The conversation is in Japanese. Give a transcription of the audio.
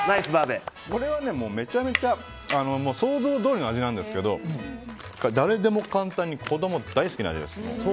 これはめちゃめちゃ想像どおりの味なんですけど誰でも簡単に子供大好きな味です。